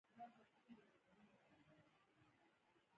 په موسکا يې له لاسه کش کړ.